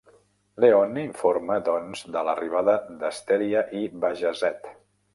Leone informa doncs de l'arribada d'Asteria i Bajazet.